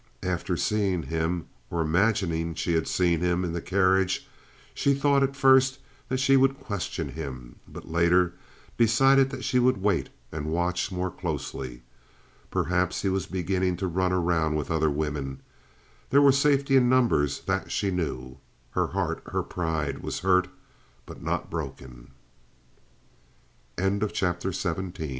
After seeing him, or imagining she had seen him, in the carriage, she thought at first that she would question him, but later decided that she would wait and watch more closely. Perhaps he was beginning to run around with other women. There was safety in numbers—that she knew. Her heart, her pride, was hurt, but not broken. CHAPTER XVIII. The Clas